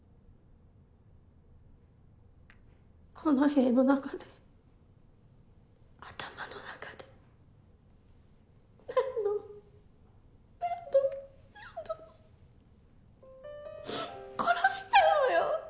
この塀の中で頭の中で何度も何度も何度も殺したのよ。